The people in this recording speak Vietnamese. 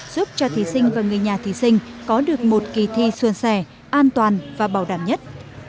giúp cho thí sinh và người nhà thí sinh có được một kỳ thi xuân xẻ an toàn và bảo đảm nhất